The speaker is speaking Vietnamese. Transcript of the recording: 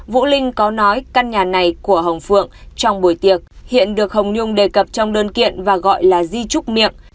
vũ linh có nói căn nhà này của hồng phượng trong buổi tiệc hiện được hồng nhung đề cập trong đơn kiện và gọi là di trúc miệng